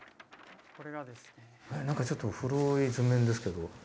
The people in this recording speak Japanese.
なんかちょっと古い図面ですけど。